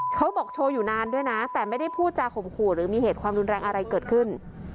เขาบอกโชว์อยู่นานด้วยนะแต่ไม่ได้พูดจาข่มขู่หรือมีเหตุความรุนแรงอะไรเกิดขึ้น